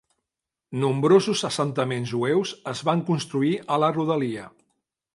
Nombrosos assentaments jueus es van construir a la rodalia.